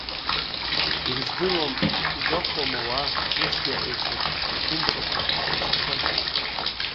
Ирыздыруам угәахәуама ауаа рыцәгьаҳәаҩцәа, ргәымхақәа, рышьтәқәа?